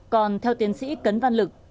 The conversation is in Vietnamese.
còn theo tiến sĩ cấn văn lực